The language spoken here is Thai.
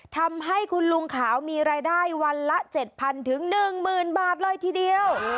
ทำให้คุณลุงขาวมีรายได้วันละ๗๐๐๑๐๐บาทเลยทีเดียว